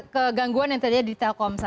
kegangguan yang terjadi di telkom satu